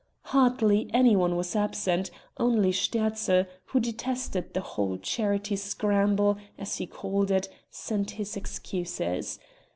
Hardly any one was absent; only Sterzl, who detested the whole charity scramble, as he called it, sent his excuses.